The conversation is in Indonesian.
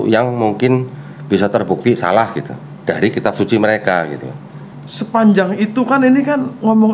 yang mungkin bisa terbukti salah gitu dari kitab suci mereka gitu sepanjang itu kan ini kan ngomong